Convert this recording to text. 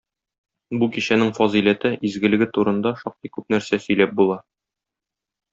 Бу кичәнең фазыйләте, изгелеге турында шактый күп нәрсә сөйләп була.